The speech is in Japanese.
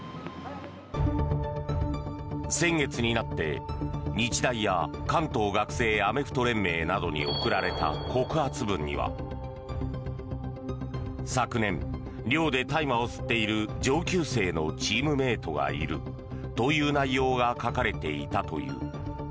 先月になって日大や関東学生アメフト連盟などに送られた告発文には昨年、寮で大麻を吸っている上級生のチームメートがいるという内容が書かれていたという。